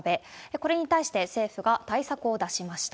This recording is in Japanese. これに対して、政府が対策を出しました。